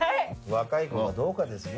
若い子はどうかですよ。